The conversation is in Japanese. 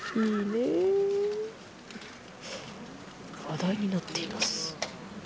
話題になっています。